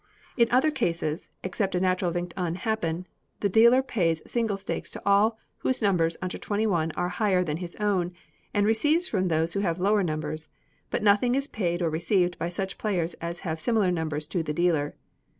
In other cases, except a natural Vingt un happen, the dealer pays single stakes to all whose numbers under twenty one are higher than his own, and receives from those who have lower numbers; but nothing is paid or received by such players as have similar numbers to the dealer.